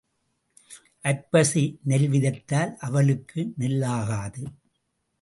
ஐப்பசி நெல் விதைத்தால் அவலுக்கும் நெல் ஆகாது.